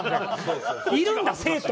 いるんだ生徒。